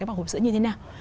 cái vỏ hộp sữa như thế nào